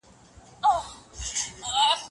سوسیالیزم تر سرمایه دارۍ ډېر توپیر لري.